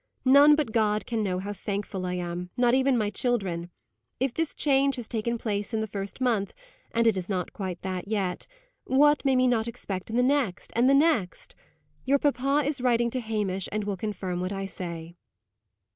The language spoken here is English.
None but God can know how thankful I am; not even my children. If this change has taken place in the first month (and it is not yet quite that), what may we not expect in the next and the next? Your papa is writing to Hamish, and will confirm what I say."